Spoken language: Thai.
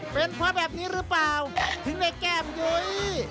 เป็นเพราะแบบนี้หรือเปล่าถึงได้แก้มยุ้ย